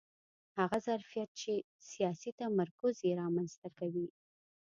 هغه ظرفیت چې سیاسي تمرکز یې رامنځته کوي